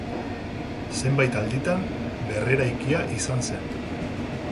Zenbait alditan berreraikia izan zen.